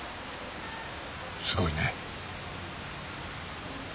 すごいね。